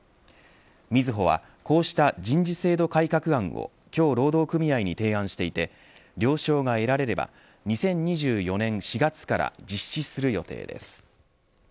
みずほはこうした人事制度改革案を今日、労働組合に提案していて了承が得られれば２０２４年４月から実施する予定です。